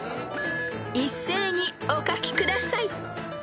［一斉にお書きください］